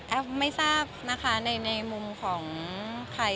ไม่ทราบนะคะในมุมของใคร